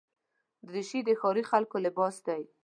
دریشي د ښاري خلکو لباس دی.